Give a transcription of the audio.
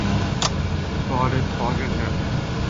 بھارت پاگل ہے؟